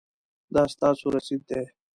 دا ستاسو رسید دی